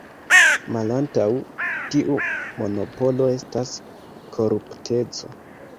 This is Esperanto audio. Malantaŭ tiu monopolo estas korupteco.